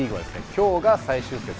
きょうが最終節。